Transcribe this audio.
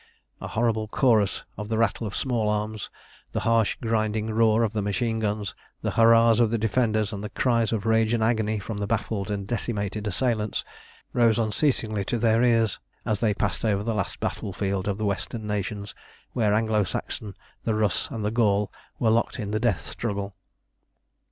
A horrible chorus of the rattle of small arms, the harsh, grinding roar of the machine guns, the hurrahs of the defenders, and the cries of rage and agony from the baffled and decimated assailants, rose unceasingly to their ears as they passed over the last battlefield of the Western nations, where the Anglo Saxon, the Russ, and the Gaul were locked in the death struggle.